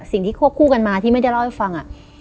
ควบคู่กันมาที่ไม่ได้เล่าให้ฟัง